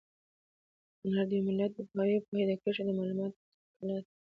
هنر د یو ملت د پوهانو او پوهې د کچې د معلومولو تله ده.